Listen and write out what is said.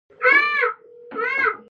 آیا پاک دې نه وي زموږ زړونه؟